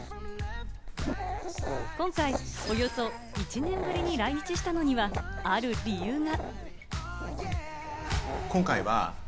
今回、およそ１年ぶりに来日したのには、ある理由が。